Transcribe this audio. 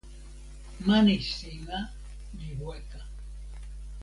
mani sina li weka.